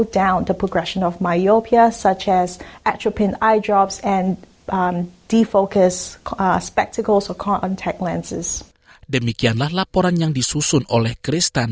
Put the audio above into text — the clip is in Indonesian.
demikianlah laporan yang disusun oleh kristen